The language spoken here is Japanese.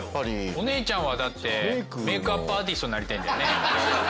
お姉ちゃんはだってメイクアップアーティストになりたいんだよね。